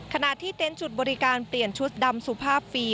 ขณะที่เต็นต์จุดบริการเปลี่ยนชุดดำสุภาพฟรี